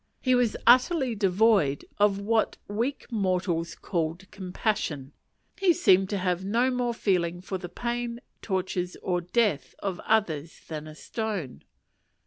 He was utterly devoid of what weak mortals call "compassion." He seemed to have no more feeling for the pain, tortures, or death of others than a stone.